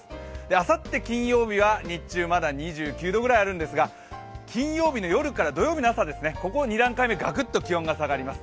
あさって金曜日は日中まだ２９度くらいあるんですが金曜日の夜から土曜日の朝、ここ２段階目、ガクッと気温が下がります。